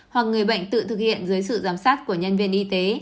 hoặc người bệnh tự thực hiện dưới sự giám sát của nhân viên y tế